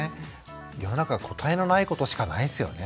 世の中答えのないことしかないですよね。